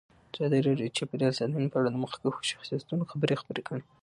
ازادي راډیو د چاپیریال ساتنه په اړه د مخکښو شخصیتونو خبرې خپرې کړي.